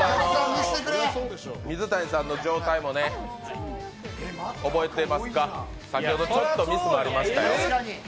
水谷さんの状態もね、覚えてますか、先ほどちょっとミスもありましたよ。